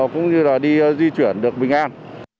cũng như là đi di chuyển được bình an